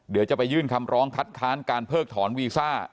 เดี๋ยวจะไปยื่นคำร้องคัดค้านการเพิกถอนวีซ่า